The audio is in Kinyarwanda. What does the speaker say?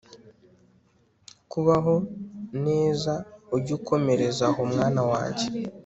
kubaho nezaujye ukomerezaho mwana wanjye